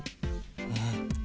うん。